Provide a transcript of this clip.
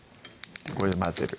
これで混ぜる